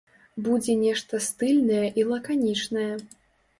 Будзе нешта стыльнае і лаканічнае.